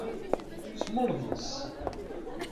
Smurḍes.